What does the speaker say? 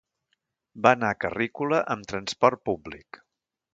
Va anar a Carrícola amb transport públic.